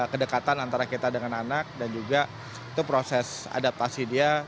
kedekatan antara kita dengan anak dan juga itu proses adaptasi dia